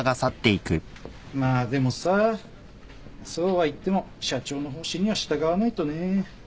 まあでもさそうはいっても社長の方針には従わないとね。